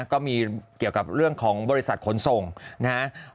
ก็มีเกี่ยวกับเรื่องของบริษัทขนส่งนะครับ